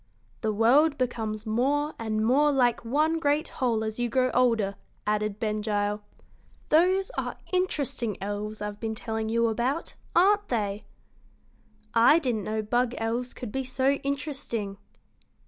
"The world becomes more and more like one great whole as you grow older," added Ben Gile. "Those are interesting elves I've been telling you about, aren't they?" "I didn't know bug elves could be so interesting."